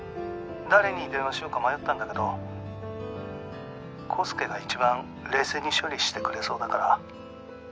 「誰に電話しようか迷ったんだけど浩介が一番冷静に処理してくれそうだから」